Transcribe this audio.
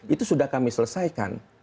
itu sudah kami selesaikan